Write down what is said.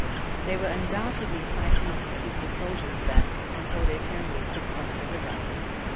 They were undoubtedly fighting to keep the soldiers back until their families could cross the river.